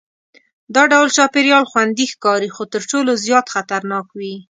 دا ډول چاپېریال خوندي ښکاري خو تر ټولو زیات خطرناک وي.